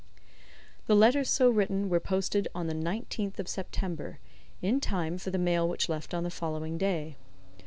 The letters so written were posted on the 19th of September, in time for the mail which left on the following day.